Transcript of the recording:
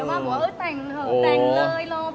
รอไปนะ